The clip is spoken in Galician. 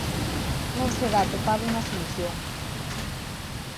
Non se dá atopado unha solución.